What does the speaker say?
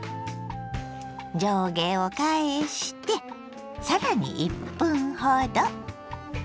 上下を返してさらに１分ほど。